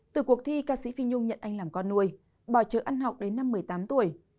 từ cuộc thi ca sĩ phi nhung nhận anh làm con nuôi bò chữa ăn học đến năm một mươi tám tuổi